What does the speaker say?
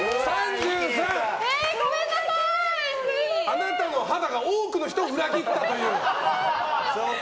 あなたの肌が多くの人を裏切ったという。